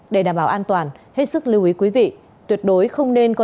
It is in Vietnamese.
để đảm bảo an toàn hết sức lưu ý quý vị tuyệt đối không nên có